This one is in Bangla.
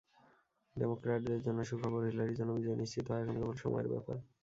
ডেমোক্র্যাটদের জন্য সুখবর, হিলারির জন্য বিজয় নিশ্চিত হওয়া এখন কেবল সময়ের ব্যাপার।